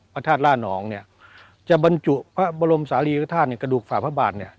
พระธาตุล่านองเนี่ยจะบรรจุพระบรมศาลีรุธาตุเนี่ยกระดูกฝ่าพระบาทเนี่ย